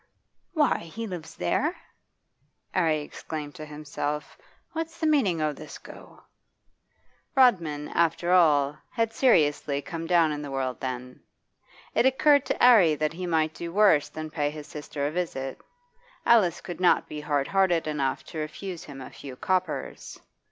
'Why, he lives there!' 'Arry exclaimed to himself. 'What's the meanin' o' this go?' Rodman, after all, had seriously come down in the world, then. It occurred to 'Arry that he might do worse than pay his sister a visit; Alice could not be hard hearted enough to refuse him a few coppers.